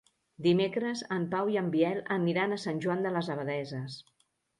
Dimecres en Pau i en Biel aniran a Sant Joan de les Abadesses.